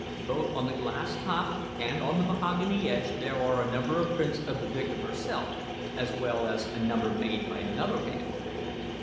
"Both on the glass top and on the mahogany edge there are a number of prints of the victim herself, as well as a number made by another hand."